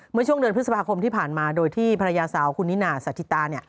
เมื่อช่วงเดือนพฤษภาคมที่ผ่านมาโดยที่ภรรยาสาวคุณนิน่าสาธิตา